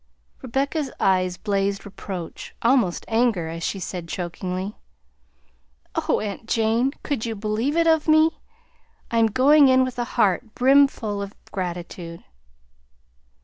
Rebecca's eyes blazed reproach, almost anger, as she said chokingly: "Oh, aunt Jane! Could you believe it of me? I am going in with a heart brimful of gratitude!"